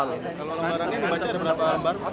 kalau lembarannya membaca ada berapa lambar